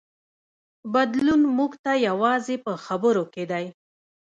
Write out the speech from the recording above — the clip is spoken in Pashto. بدلون موږ ته یوازې په خبرو کې دی.